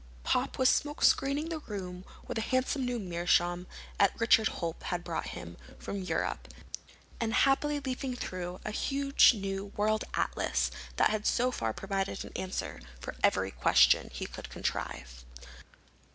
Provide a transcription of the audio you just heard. Pop was smoke screening the room with a handsome new meerschaum that Richard Holt had brought him from Europe, and happily leafing through a huge new world atlas that had so far provided an answer for every question he could contrive.